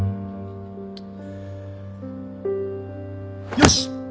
よし。